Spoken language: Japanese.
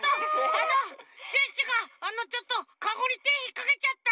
あのシュッシュがあのちょっとカゴにてひっかけちゃった。